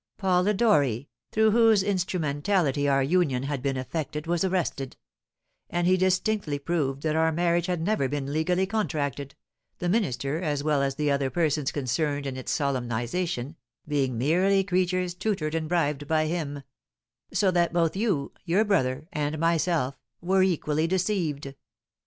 Polidori, through whose instrumentality our union had been effected, was arrested; and he distinctly proved that our marriage had never been legally contracted, the minister, as well as the other persons concerned in its solemnisation, being merely creatures tutored and bribed by him; so that both you, your brother, and myself, were equally deceived.